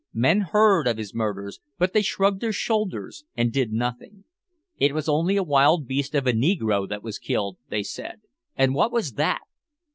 Men heard of his murders, but they shrugged their shoulders and did nothing. It was only a wild beast of a negro that was killed, they said, and what was that!